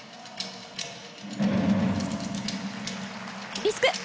リスク。